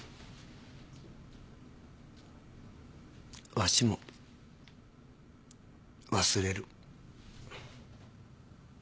わしも忘れる。